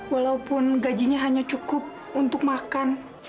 walaupun gajinya hanya cukup untuk makan